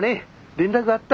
連絡あった。